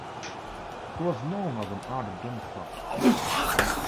He was known as an ardent Democrat.